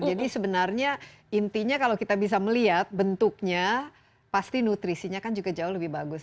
jadi sebenarnya intinya kalau kita bisa melihat bentuknya pasti nutrisinya kan juga jauh lebih bagus